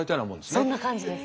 そんな感じです。